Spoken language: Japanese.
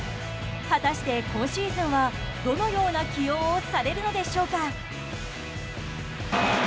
果たして今シーズンはどのような起用をされるのでしょうか。